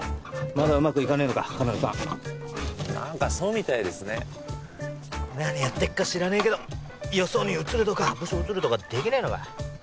まだうまくいかねえのか彼女さん何かそうみたいですね何やってっか知らねえけどよそに移るとか部署移るとかできねえのか？